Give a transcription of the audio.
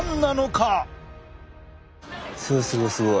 すごいすごいすごい。